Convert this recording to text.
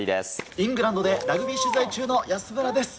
イングランドでラグビー取材中の安村です。